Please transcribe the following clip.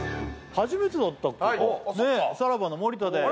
初めてだったっけかはいねっさらばの森田です